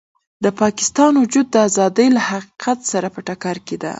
د پاکستان وجود د ازادۍ له حقیقت سره په ټکر کې دی.